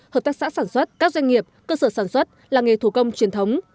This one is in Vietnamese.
hợp tác xã sản xuất các doanh nghiệp cơ sở sản xuất làng nghề thủ công truyền thống